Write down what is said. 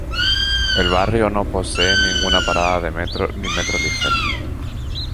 El barrio no posee ninguna parada de metro ni metro ligero.